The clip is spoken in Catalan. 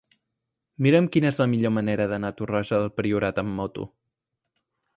Mira'm quina és la millor manera d'anar a Torroja del Priorat amb moto.